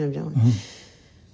うん。